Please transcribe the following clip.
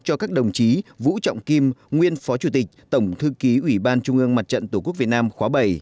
cho các đồng chí vũ trọng kim nguyên phó chủ tịch tổng thư ký ủy ban trung ương mặt trận tổ quốc việt nam khóa bảy